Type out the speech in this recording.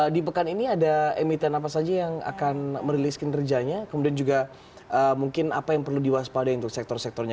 di pekan ini ada emiten apa saja yang akan merilis kinerjanya kemudian juga mungkin apa yang perlu diwaspadai untuk sektor sektornya